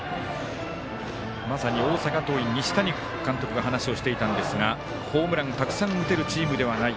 まさに大阪桐蔭西谷監督が話をしていたんですがホームラン、たくさん打てるチームではない。